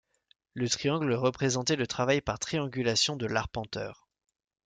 Le triangle représentait le travail par triangulation de l'arpenteur.